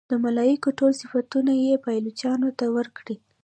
د ملایکو ټول صفتونه یې پایلوچانو ته ورکړي.